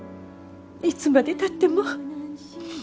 いつまでたっても。